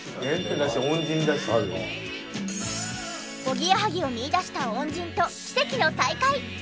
おぎやはぎを見いだした恩人と奇跡の再会。